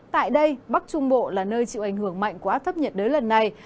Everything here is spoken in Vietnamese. tại đây bắc trung bộ là nơi chịu ảnh hưởng mạnh của áp thấp nhiệt đới lần này